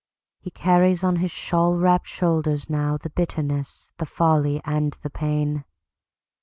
He carries on his shawl wrapped shoulders nowThe bitterness, the folly and the pain.